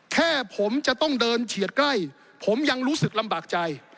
แค่ผมจะต้องเดินเฉียดใกล้ผมยังรู้สึกลำบากใจ